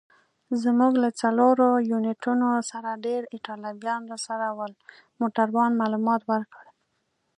زموږ له څلورو یونیټونو سره ډېر ایټالویان راسره ول. موټروان معلومات ورکړل.